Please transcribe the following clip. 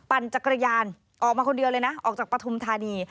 ปั่นจักรยานออกมาคนเดียวเลยนะออกจากปฐุมธานี